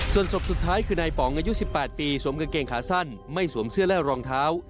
ส่วนศพสุดท้ายคือนายป๋องอายุ๑๘ปีสวมกางเกงขาสั้นไม่สวมเสื้อและรองเท้า